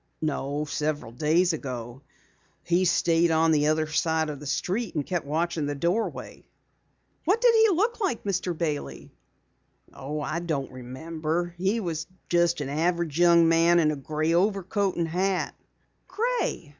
"No, several days ago. He stayed on the other side of the street and kept watching the doorway." "What did he look like, Mr. Bailey?" "Oh, I don't remember. He was just an average young man in a gray overcoat and hat." "Gray?"